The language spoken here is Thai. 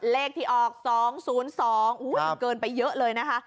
เลขที่ออกสองศูนย์สองอุ้ยเกินไปเยอะเลยนะคะ